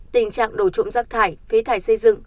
tình trạng đổ trộm rác thải phế thải xây dựng